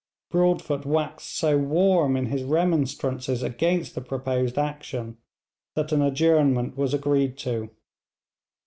Broadfoot waxed so warm in his remonstrances against the proposed action that an adjournment was agreed to.